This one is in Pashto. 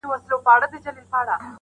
o زارۍ.